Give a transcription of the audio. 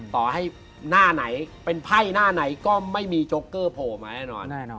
ต่อให้หน้าไหนเป็นพ่ายหน้าไหนก็ไม่มีโจ๊ะเกอร์หมายอารมณ์